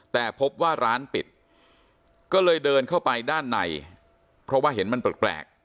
แต่พบว่าร้านปิดก็เลยเดินเข้าไปด้านในเพราะว่าเห็นมันแปลก